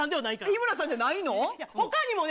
日村さんじゃないの？